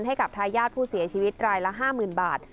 ให้กับทายาทผู้เสียชีวิตรายละ๕๐๐๐บาท